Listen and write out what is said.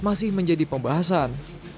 masih menjadi pembahasan